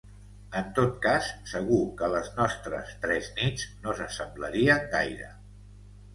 En tot cas, segur que les nostres tres nits no s'assemblarien gaire.